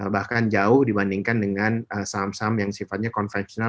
bahkan jauh dibandingkan dengan saham saham yang sifatnya konvensional